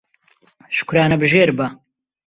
شوکرانەبژێر بە